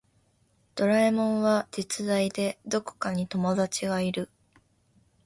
ドラえもんは実在でどこかに友達がいる